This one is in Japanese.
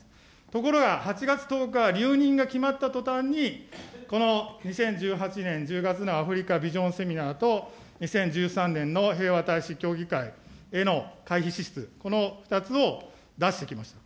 ところが、８月１０日、留任が決まったとたんに、この２０１８年１０月のアフリカビジョンセミナーと、２０１３年の平和大使協議会への会費支出、この２つを出してきました。